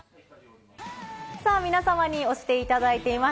さあ皆様に押していただいています